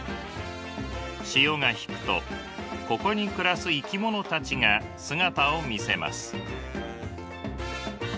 潮が引くとここに暮らす生き物たちが姿を見せます。